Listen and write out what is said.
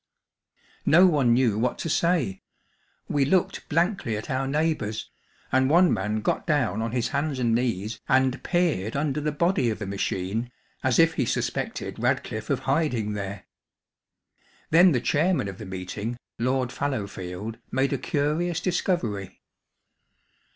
No one knew what to say; we looked blankly at our neighbours, and one man got down on his hands and knees and peered under the body of the machine as if he suspected Radcliffe of hiding there. Then the chairman of the meeting, Lord Fallowfield, made a curious discovery.